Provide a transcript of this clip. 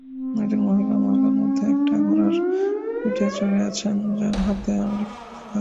একজন মহিলা ময়লার মধ্যে একটা ঘোড়ার পিঠে চড়ে আছেন, যার হাতে আমেরিকার পতাকা।